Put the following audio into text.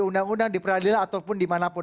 undang undang di peradilan ataupun dimanapun